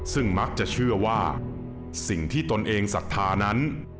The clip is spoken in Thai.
ซึ่งมักจะเชื่อว่าสิ่งที่ตนเองศรัทธานั้น